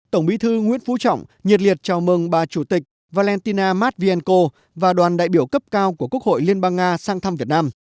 tổng bí thư nguyễn phú trọng nhiệt liệt chào mừng bà chủ tịch valentina matvienko và đoàn đại biểu cấp cao của quốc hội liên bang nga sang thăm việt nam